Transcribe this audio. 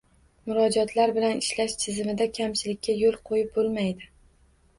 Murojaatlar bilan ishlash tizimida kamchilikka yo‘l qo‘yib bo‘lmaydi